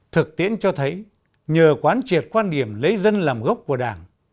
thực tiễn cho thấy nhờ quán triệt quan điểm lấy dân làm gốc của đảng